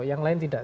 yang lain tidak